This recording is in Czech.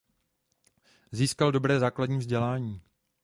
Získal dobré základní vzdělání.